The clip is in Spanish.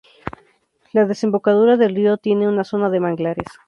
La desembocadura del río tiene una zona de manglares.